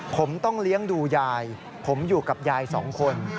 ผมต้องเลี้ยงดูยายผมอยู่กับยายสองคน